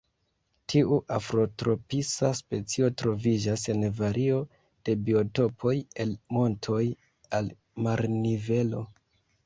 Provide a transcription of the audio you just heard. Tiu afrotropisa specio troviĝas en vario de biotopoj el montoj al marnivelo.